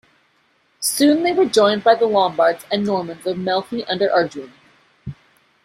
Soon they were joined by the Lombards and Normans of Melfi under Arduin.